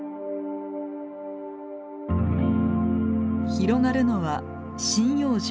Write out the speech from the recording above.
広がるのは針葉樹。